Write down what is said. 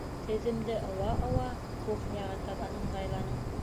Теҙемде ыуа-ыуа кухняға табан ыңғайланым.